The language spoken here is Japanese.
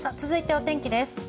続いて、お天気です。